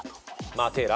マテーラ！